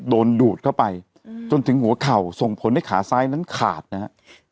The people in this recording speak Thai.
ดูดเข้าไปจนถึงหัวเข่าส่งผลให้ขาซ้ายนั้นขาดนะครับ